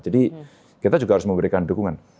jadi kita juga harus memberikan dukungan